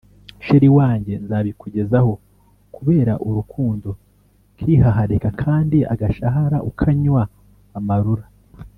cher wanjye nzabikugezaho kubera urukundo nkihaharika kandi agashahara ukanywa amarura